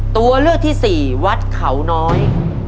ตัวเลือกที่สี่วัดเขาน้อย